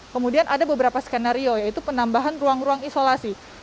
kemudian ada beberapa skenario yaitu penambahan ruang ruang isolasi